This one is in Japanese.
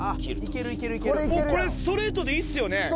もうこれストレートでいいっすよね？